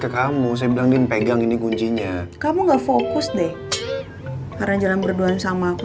ke kamu saya bilang din pegang ini kuncinya kamu nggak fokus deh karena jalan berduaan sama aku